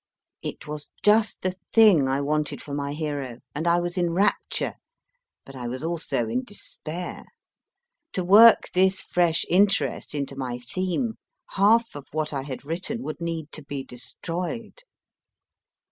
It was just the thing I wanted for my hero, and I was in rapture, but I was also in despair. To work this fresh interest into my theme, half of what I had written would need to be destroyed